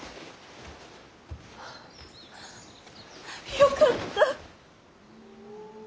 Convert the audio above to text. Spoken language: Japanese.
よかった！